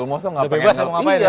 lo maksudnya nggak pengen ngapain ya